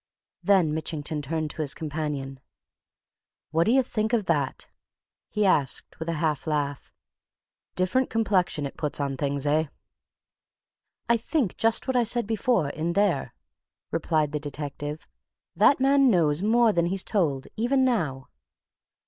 Then Mitchington turned to his companion. "What d'ye think of that?" he asked, with a half laugh. "Different complexion it puts on things, eh?" "I think just what I said before in there," replied the detective. "That man knows more than he's told, even now!"